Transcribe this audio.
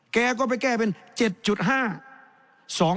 แกก็ไปแก้เป็น๗๕